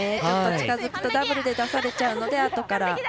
ちょっと近づくとダブルで出されちゃうのであとから。